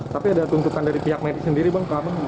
tapi ada tuntutan dari pihak medis sendiri bang